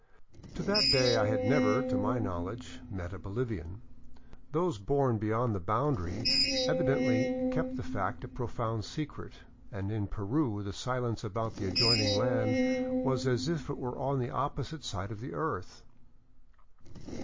To that day I had never, to my knowledge, met a Bolivian. Those 488 THE COLLASUYU, OR " UPPER " PERU born beyond the boundary evidently kept the fact a profound secret, and in Peru the silence about the adjoining land was as if it were on the opposite side of the earth.